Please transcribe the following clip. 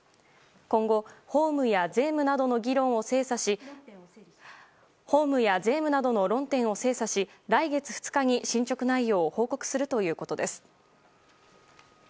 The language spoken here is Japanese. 今後、法務や税務などの論点を精査し、来月２日に進捗内容などを報告するということです。